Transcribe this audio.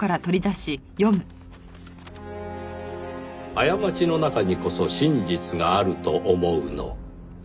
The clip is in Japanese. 「あやまちの中にこそ真実があると思うの」